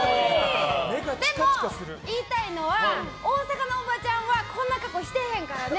でも、言いたいのは大阪のおばちゃんはこんな格好してへんからね！